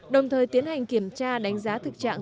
đồng thời tiến hành kiểm tra đánh giá thực trạng